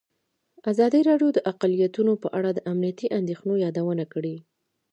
ازادي راډیو د اقلیتونه په اړه د امنیتي اندېښنو یادونه کړې.